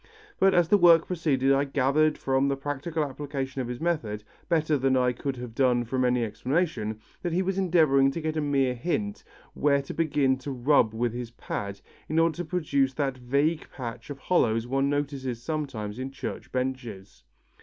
But as the work proceeded I gathered from the practical application of his method, better than I could have done from any explanation, that he was endeavouring to get a mere hint, where to begin to rub with his pad, in order to produce that vague patch of hollows one notices sometimes in church benches.